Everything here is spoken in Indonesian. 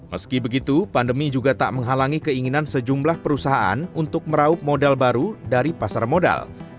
meski begitu pandemi juga tak menghalangi keinginan sejumlah perusahaan untuk meraup modal baru dari pasar modal